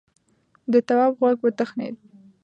د تواب غوږ وتخڼيد: